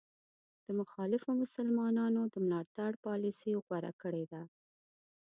د مخالفو مسلمانانو د ملاتړ پالیسي غوره کړې ده.